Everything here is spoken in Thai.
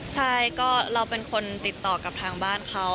ใช่ก็เราเป็นคนติดต่อกับทางบ้านเขา